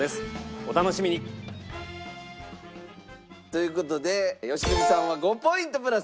お楽しみに。という事で良純さんは５ポイントプラス。